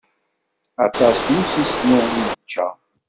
Aṭas n usisnu i yečča.